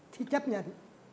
thì chấp nhận